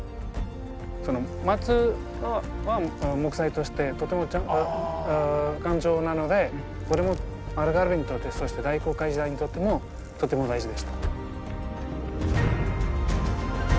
松は木材としてとても丈夫頑丈なのでこれもアルガルヴェにとってそして大航海時代にとってもとても大事でした。